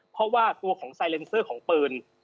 เพราะว่าตัวของไซเลนเซอร์ของปืน